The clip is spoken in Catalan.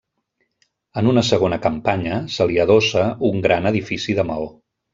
En una segona campanya, se li adossa un gran edifici de maó.